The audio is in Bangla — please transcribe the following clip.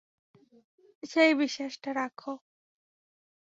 সেই বিশ্বাসটা রাখো।